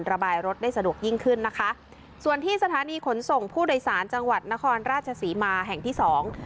ระบายรถได้สะดวกยิ่งขึ้นนะคะส่วนที่สถานีขนส่งผู้โดยสารจังหวัดนครราชศรีมาแห่งที่สอง